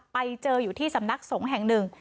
ไปเจออยู่ที่สำนักสงฆ์แห่งหนึ่ง